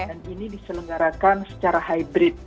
ini diselenggarakan secara hybrid